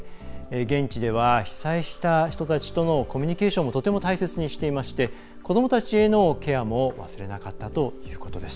現地では被災した人たちとのコミュニケーションをとても大切にしていまして子どもたちへのケアも忘れなかったということです。